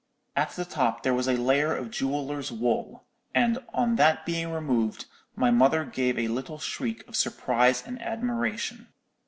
At the top there was a layer of jewellers' wool, and on that being removed, my mother gave a little shriek of surprise and admiration.